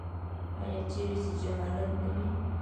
آیا چیرې چې جهالت نه وي؟